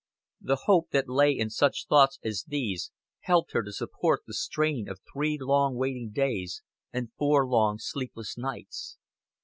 The hope that lay in such thoughts as these helped her to support the strain of three long waiting days and four long sleepless nights.